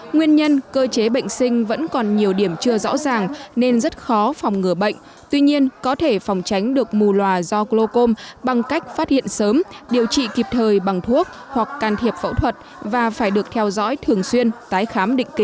nguyên nhân cơ chế bệnh sinh vẫn còn nhiều điểm chưa rõ ràng nên rất khó phòng ngừa bệnh tuy nhiên có thể phòng tránh được mù loà do glocom bằng cách phát hiện sớm điều trị kịp thời bằng thuốc hoặc can thiệp phẫu thuật và phải được theo dõi thường xuyên tái khám định kỳ